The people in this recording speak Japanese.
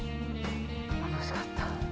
楽しかった。